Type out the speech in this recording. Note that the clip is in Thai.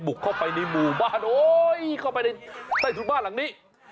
เข้าไปในหมู่บ้านโอ๊ยเข้าไปในใต้ถุนบ้านหลังนี้